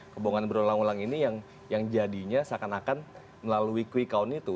kebohongan berulang ulang ini yang jadinya seakan akan melalui quick count itu